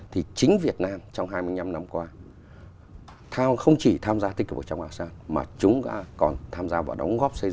thì chính việt nam trong hai mươi năm năm qua thao không chỉ tham gia tích cực vào trong asean mà chúng ta còn tham gia vào đóng góp xây dựng